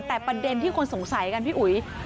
แต่ประเด็นที่คนสงสัยกันพี่อุ๋ย